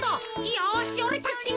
よしおれたちも。